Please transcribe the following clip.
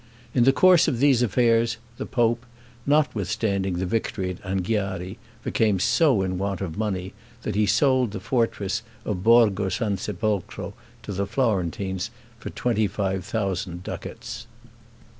In the course of these affairs, the pope, notwithstanding the victory at Anghiari, became so in want of money, that he sold the fortress of Borgo San Sepolcro to the Florentines for 25,000 ducats.